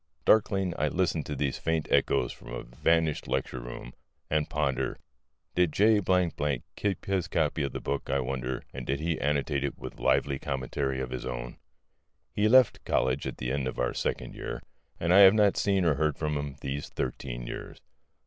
Darkling I listen to these faint echoes from a vanished lecture room, and ponder. Did J keep his copy of the book, I wonder, and did he annotate it with lively commentary of his own? He left college at the end of our second year, and I have not seen or heard from him these thirteen years.